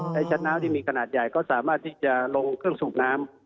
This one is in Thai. ใช้ชัดน้ำที่มีขนาดใหญ่ก็สามารถที่จะลงเครื่องสูบน้ำ